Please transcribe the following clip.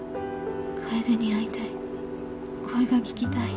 楓に会いたい声が聞きたい。